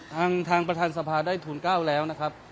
ฐางฐางประธานสภาก็ได้ทุนก้าวแล้วนะครับ